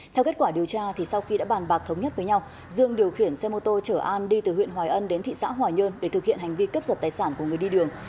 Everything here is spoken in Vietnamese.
theo kết quả điều tra sau khi đã bàn bạc thống nhất với nhau dương điều khiển xe mô tô chở an đi từ huyện hòa ân đến thị xã hòa nhơn để thực hiện hành vi cướp giật tài sản của người đi đường